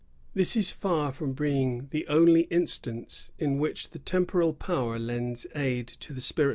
This is far from being the only instance in which the temporal power lends aid to the spiritual.